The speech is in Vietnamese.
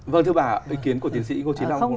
vâng thưa bà ý kiến của tiến sĩ cô trí long